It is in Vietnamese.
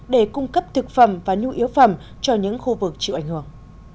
để cung cấp thực phẩm và nhu yếu phẩm cho những khu vực chịu ảnh hưởng